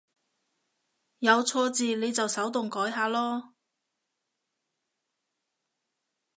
有錯字你就手動改下囉